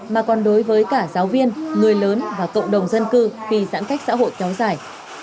mà còn đối với cả giáo viên người lớn và cộng đồng dân cư khi giãn cách xã hội kéo dài